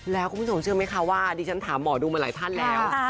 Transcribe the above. แล้วคุณผู้ชมเชื่อไหมคะว่าดิฉันถามหมอดูมาหลายท่านแล้ว